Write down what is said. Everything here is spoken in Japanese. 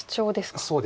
そうですね。